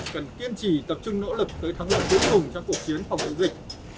cần kiên trì tập trung nỗ lực tới thắng lợi tốt đủ trong cuộc chiến phòng dịch